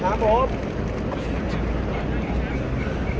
สวัสดีครับทุกคน